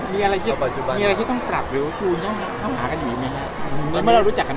มีอะไรที่คุณต้องปรับหรือขูลข้างในกันอยู่อย่างไร